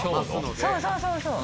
そうそうそうそう！